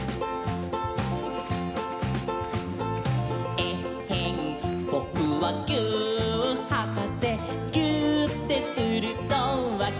「えっへんぼくはぎゅーっはかせ」「ぎゅーってするとわかるんだ」